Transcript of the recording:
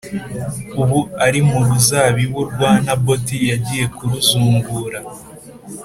ubu ari mu ruzabibu rwa Naboti yagiye kuruzungura,